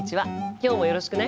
今日もよろしくね。